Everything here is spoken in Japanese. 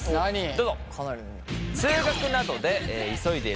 どうぞ。